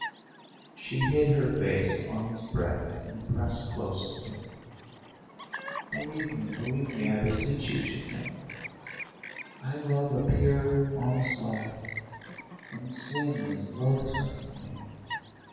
She hid her face on his breast and pressed close to him. "Believe me, believe me, I beseech you ..." she said. "I love a pure, honest life, and sin is loathsome to me.